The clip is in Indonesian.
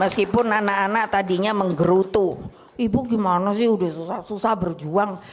meskipun anak anak tadinya menggerutu ibu gimana sih udah susah berjuang